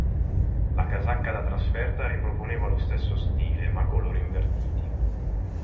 La casacca da trasferta riproponeva lo stesso stile, ma a colori invertiti.